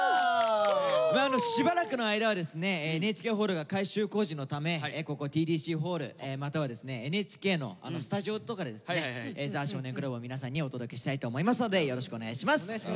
しばらくの間はですねＮＨＫホールが改修工事のためここＴＤＣホールまたはですねＮＨＫのスタジオとかでですね「ザ少年倶楽部」を皆さんにお届けしたいと思いますのでよろしくお願いします。